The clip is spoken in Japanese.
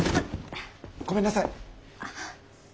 ごめんなさい。